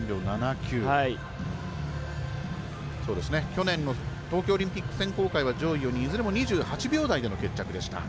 去年の東京オリンピック選考会いずれも２８秒台での決着でした。